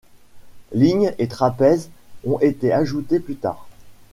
Lignes et trapèzes ont été ajoutés plus tard.